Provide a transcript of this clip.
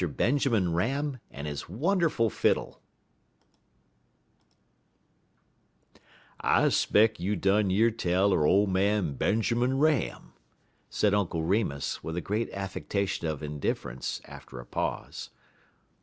BENJAMIN RAM AND HIS WONDERFUL FIDDLE "I 'speck you done year tell er ole man Benjermun Ram," said Uncle Remus, with a great affectation of indifference, after a pause.